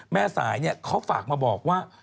แม่สายเขาฝากมาบอกว่า